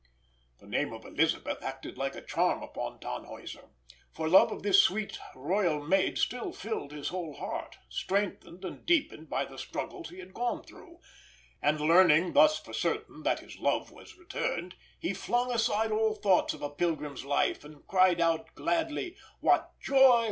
The name of Elisabeth acted like a charm upon Tannhäuser, for love of this sweet royal maid still filled his whole heart, strengthened and deepened by the struggles he had gone through; and learning thus for certain that his love was returned, he flung aside all thoughts of a pilgrim's life, and cried out gladly: "What joy!